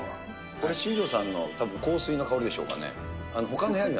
これ、新庄さんのたぶん香水の香りでしょうかね。